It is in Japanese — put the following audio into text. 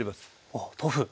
おっ豆腐。